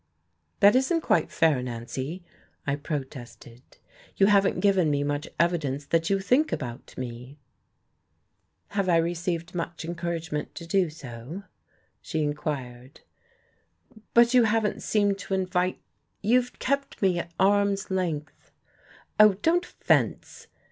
"That isn't quite fair, Nancy," I protested. "You haven't given me much evidence that you did think about me." "Have I received much encouragement to do so?" she inquired. "But you haven't seemed to invite you've kept me at arm's length." "Oh, don't fence!"